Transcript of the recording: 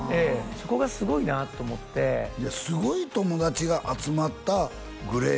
そこがすごいなと思ってすごい友達が集まったＧＬＡＹ